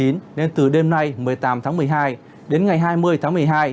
nên từ đêm nay một mươi tám tháng một mươi hai đến ngày hai mươi tháng một mươi hai